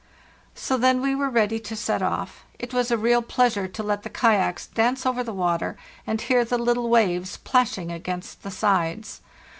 "So then we were ready to set off. It was a real pleasure to let the kayaks dance over the water and hear the little waves plashing against the sides.